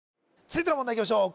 続いての問題いきましょう